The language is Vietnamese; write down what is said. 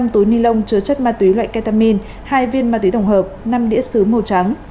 năm túi ni lông chứa chất ma túy loại ketamin hai viên ma túy tổng hợp năm đĩa xứ màu trắng